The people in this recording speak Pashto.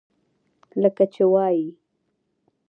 لکه چې وائي ۔